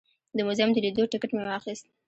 د موزیم د لیدو ټکټ مې واخیست.